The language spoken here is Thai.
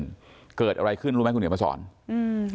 แล้วแต่ลงไปขึ้นรู้มั้ยคุณเหเนียร์ประสอร์ม